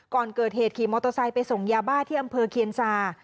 ก่อนเกิดเหตุคีย์มอทอไทน์ไปส่งยาบ้าที่อำเภอเคียนทรา